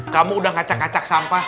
kamu udah ngacak ngacak sampah